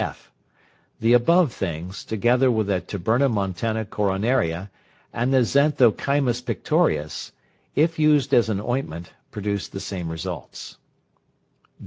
(f). The above things, together with the tabernamontana coronaria, and the xanthochymus pictorius, if used as an ointment, produce the same results.